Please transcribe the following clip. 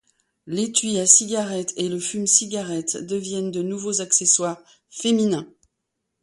L'étui à cigarettes et le fume-cigarette deviennent de nouveaux accessoires féminins.